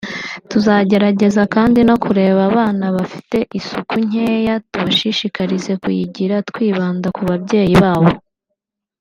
tuzagerageza kandi no kureba abana bafite isuku nkeya tubashishikarize kuyigira twibanda ku babyeyi babo